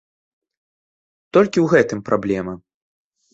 Толькі ў гэтым праблема.